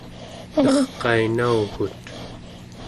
nerqainaugut